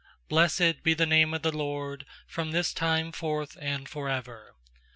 ^Blessed be the name of the LORD From this time forth and for ever.